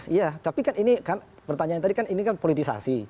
iya tapi kan ini kan pertanyaan tadi kan ini kan politisasi